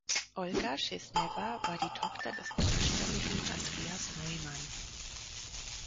Olga Schisnewa war die Tochter des deutschstämmigen Andreas Neuman.